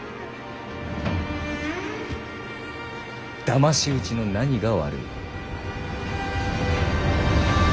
だまし討ちの何が悪い。